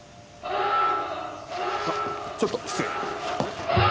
あっちょっと失礼！